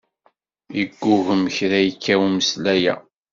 Yeggugem kra yekka umeslay-a.